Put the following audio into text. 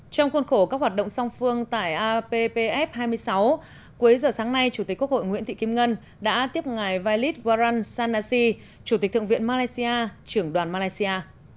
trong khuôn khổ các hoạt động song phương tại appf hai mươi sáu cuối giờ sáng nay chủ tịch quốc hội nguyễn thị kim ngân đã tiếp ngài valis waran sanasi chủ tịch thượng viện malaysia trưởng đoàn malaysia